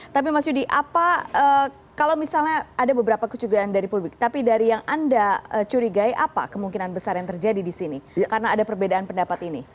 tapi mas yudi apa kalau misalnya ada beberapa kecurigaan dari publik tapi dari yang anda curigai apa kemungkinan besar yang terjadi di sini karena ada perbedaan pendapat ini